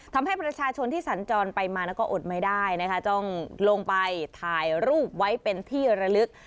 ทำให้ประชาชนที่สัญจรไปมาแล้วก็อดไม่ได้นะคะต้องลงไปถ่ายรูปไว้เป็นที่ระลึก